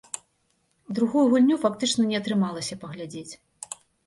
Другую гульню фактычна не атрымалася паглядзець.